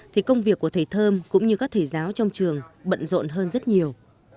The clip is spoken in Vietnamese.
thì công việc của thầy thơm cũng như các thầy giáo trong trường bận rộn hơn rất nhiều